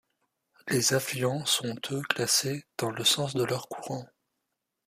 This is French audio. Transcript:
Les affluents sont eux classés dans le sens de leur courant.